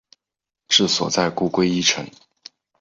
治所在故归依城。